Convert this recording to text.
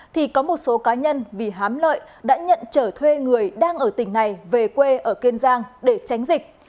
thì có một số cá nhân vì hám lợi đã nhận trở thuê người đang ở tỉnh này về quê ở kiên giang để tránh dịch